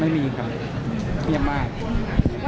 ไม่มีครับเพลงมาก